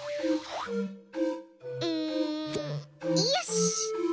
うんよしっ！